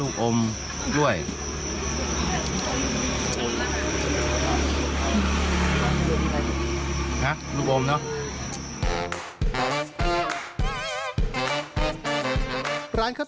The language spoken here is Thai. ส่วนบนโต๊ะมีถั่วงงอกสดและไข่ตัวละ๕บาทไว้บริการ